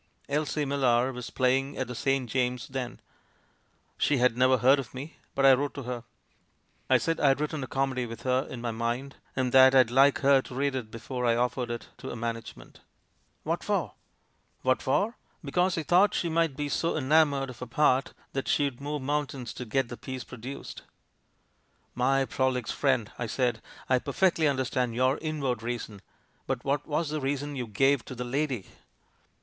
Elsie Millar was playing at the St. James's then. She had never heard of me, but I wrote to her; I said I had written a comedy with her in my mind, and that I'd like her to read it before I offered it to a management." "What for?" m THE MAN WHO UNDERSTOOD WOMEN "'What for'? Because I thought she might be so enamoured of her part that she'd move mountains to get the piece produced." "My proHx friend," I said, "I perfectly un derstand your inward reason; but what was the reason you gave to the lady?"